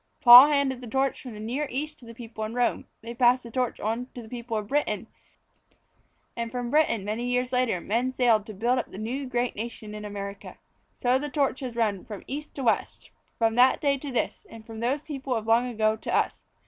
Paul handed the torch from the Near East to the people in Rome. They passed the torch on to the people of Britain and from Britain many years later men sailed to build up the new great nation in America. So the torch has run from East to West, from that day to this, and from those people of long ago to us.